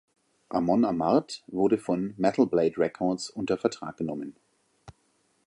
Amon Amarth wurden von Metal Blade Records unter Vertrag genommen.